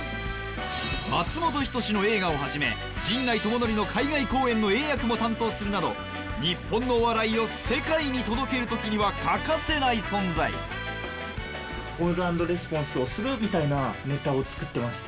松本人志の映画をはじめ陣内智則の海外公演の英訳も担当するなど日本のお笑いを世界に届ける時には欠かせない存在をするみたいなネタを作ってまして。